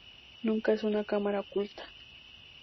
Nunca es una cámara oculta.